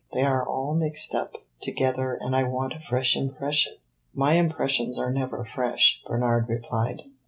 They are all mixed up together and I want a fresh impression." "My impressions are never fresh," Bernard replied.